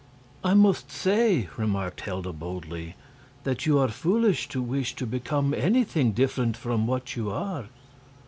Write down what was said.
"I must say," remarked Helda, boldly, "that you are foolish to wish to become anything different from what you are."